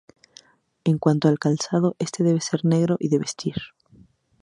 En cuanto al calzado este debe ser negro y de vestir.